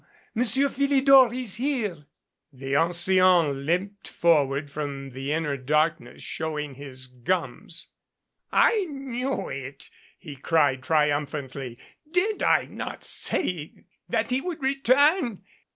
Monsieur Philidor is here !" The ancien limped forward from the inner darkness, showing his gums. "I knew it," he cried triumphantly. "Did I not say that he would return?"